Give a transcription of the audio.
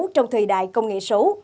trong thời đại công nghệ số